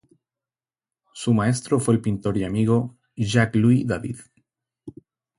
Su maestro fue el pintor y amigo Jacques-Louis David.